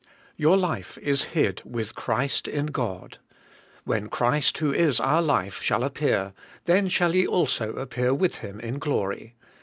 *Your life is hid with Christ in God. When Christ, who is our life, shall appear, then shall ye also appear with Him in glory.